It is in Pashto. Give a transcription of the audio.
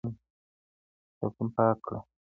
کتابتون پاک کړه؟